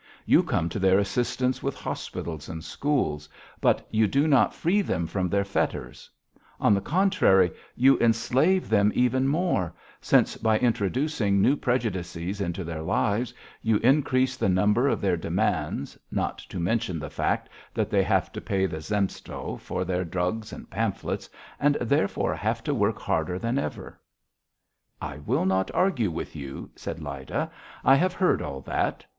You come to their assistance with hospitals and schools, but you do not free them from their fetters; on the contrary, you enslave them even more, since by introducing new prejudices into their lives, you increase the number of their demands, not to mention the fact that they have to pay the Zemstvo for their drugs and pamphlets, and therefore, have to work harder than ever." "I will not argue with you," said Lyda. "I have heard all that."